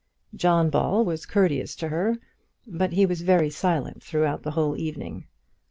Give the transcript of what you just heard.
John Ball was courteous to her, but he was very silent throughout the whole evening.